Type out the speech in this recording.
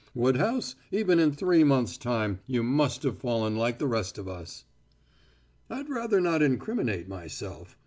Woodhouse, even in three months' time you must have fallen like the rest of us." "I'd rather not incriminate myself."